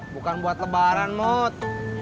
bukan buat lebaran mot